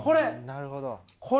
なるほど。